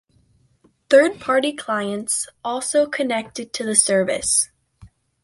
Third-party clients also connected to the service.